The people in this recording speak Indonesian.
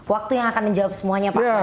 waktu yang akan menjawab semuanya pak